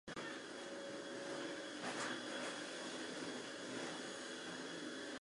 Ocean tides affect the river height as far north as Waterville.